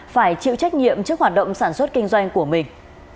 phải chịu trách nhiệm trước hoạt động sản xuất kinh doanh của mình